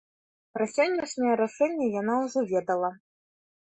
Пра сённяшняе рашэнне яна ўжо ведала.